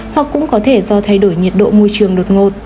hoặc cũng có thể do thay đổi nhiệt độ môi trường đột ngột